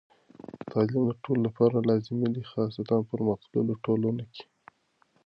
تعلیم د ټولو لپاره لازمي دی، خاصتاً پرمختللو ټولنو کې.